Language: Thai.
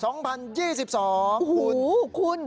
โอ้โหคุณ